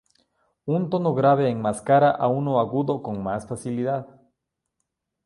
Un tono grave enmascara a uno agudo con más facilidad.